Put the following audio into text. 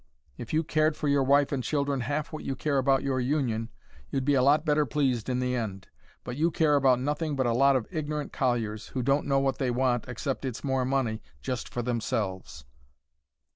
If you cared for your wife and children half what you care about your Union, you'd be a lot better pleased in the end. But you care about nothing but a lot of ignorant colliers, who don't know what they want except it's more money just for themselves.